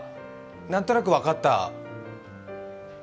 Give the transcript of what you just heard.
何となく分かった。